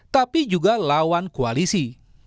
tapi juga lawan koalisi